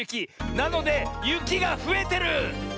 なのでゆきがふえてる！